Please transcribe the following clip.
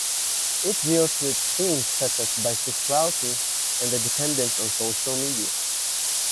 It deals with themes such as bisexuality and the dependence on social media.